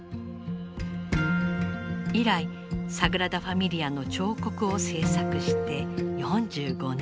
以来サグラダ・ファミリアの彫刻を制作して４５年。